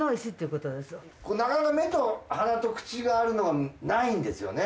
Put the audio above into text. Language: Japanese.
これなかなか目と鼻と口があるのないんですよね。